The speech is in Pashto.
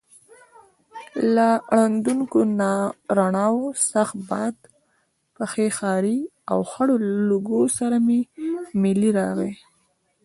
له ړندونکو رڼاوو، سخت باد، پښې هارې او خړو لوګیو سره ملې راغلې.